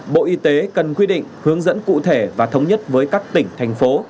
bộ y tế cần quy định hướng dẫn cụ thể và thống nhất với các tỉnh thành phố